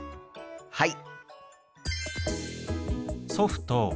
はい！